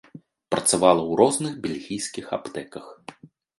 Працавала ў розных бельгійскіх аптэках.